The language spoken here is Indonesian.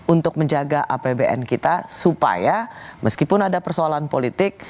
untuk menjaga apbn kita supaya meskipun ada persoalan politik